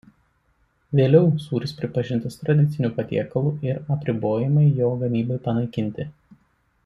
Vėliau sūris pripažintas tradiciniu patiekalu ir apribojimai jo gamybai panaikinti.